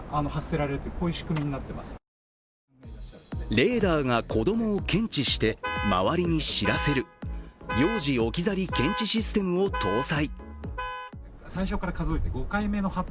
レーダーが子供を検知して周りに知らせる幼児置き去り検知システムを搭載。